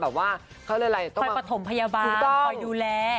ไปประถมพยาบาลไปดูแล